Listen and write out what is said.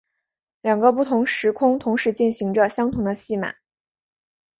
两个不同的时空同时进行着相同的戏码。